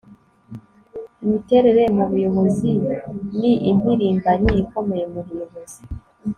imiterere mu buyobozi ni impirimbanyi ikomeye mu buyobozi